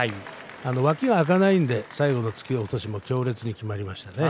脇が空かないので最後の突き落としも強烈にきまりましたね。